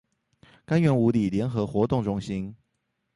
柑園五里聯合活動中心